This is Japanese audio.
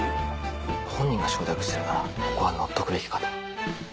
本人が承諾してるならここはのっておくべきかと。